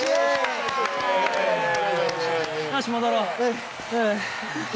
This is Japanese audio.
よし戻ろう。